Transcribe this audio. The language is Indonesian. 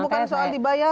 ini kan soal dibayar